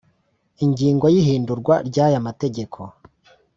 Ingingo ya ihindurwa ry aya mategeko